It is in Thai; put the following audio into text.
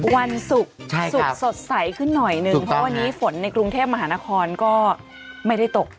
วันศุกร์ศุกร์สดใสขึ้นหน่อยหนึ่งเพราะวันนี้ฝนในกรุงเทพมหานครก็ไม่ได้ตก